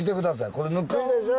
これぬくいでしょ？